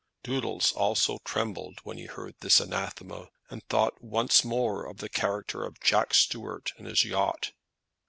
Doodles also trembled when he heard this anathema, and thought once more of the character of Jack Stuart and his yacht.